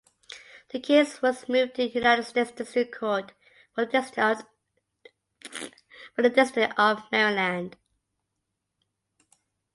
The case was moved to United States District Court for the District of Maryland.